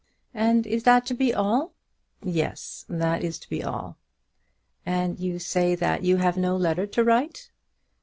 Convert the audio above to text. "And is that to be all?" "Yes; that is to be all." "And you say that you have no letter to write."